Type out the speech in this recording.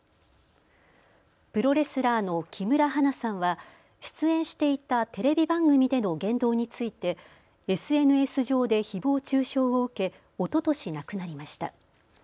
プロレスラーの木村花さんは出演していたテレビ番組での言動についてＳＮＳ上でひぼう中傷を受けおととし亡くなりました。